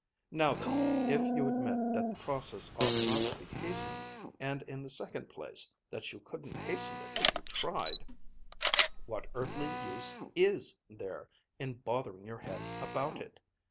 Now then, if you admit that the process ought not to be hastened, and in the second place that you couldn't hasten it if you tried, what earthly use is there in bothering your head about it!